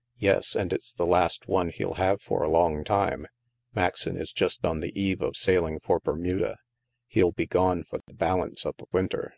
" Yes. And it's the last one he'll have for a long time. Maxon is just on the eve of sailing for Ber muda. He'll be gone for the balance of the win ter."